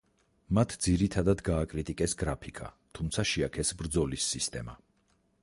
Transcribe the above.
მათ ძირითადად გააკრიტიკეს გრაფიკა, თუმცა შეაქეს ბრძოლის სისტემა.